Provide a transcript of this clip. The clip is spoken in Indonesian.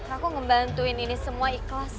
aku ngebantuin ini semua ikhlas